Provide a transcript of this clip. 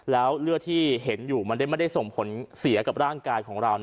แล้วเลือดที่เห็นอยู่มันได้ไม่ได้ส่งผลเสียกับร่างกายของเรา